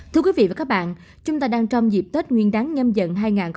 thưa quý vị và các bạn chúng ta đang trong dịp tết nguyên đáng nhâm dần hai nghìn hai mươi bốn